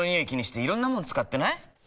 気にしていろんなもの使ってない？